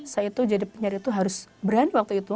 saya itu jadi penyiar itu harus berani waktu itu